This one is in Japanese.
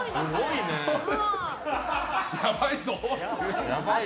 やばいぞ。